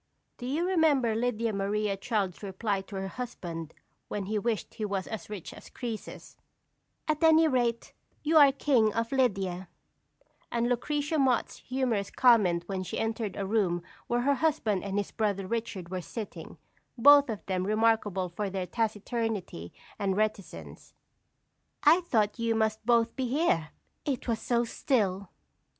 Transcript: Do you remember Lydia Maria Child's reply to her husband when he wished he was as rich as Croesus: "At any rate, you are King of Lydia;" and Lucretia Mott's humorous comment when she entered a room where her husband and his brother Richard were sitting, both of them remarkable for their taciturnity and reticence: "I thought you must both be here it was so still!"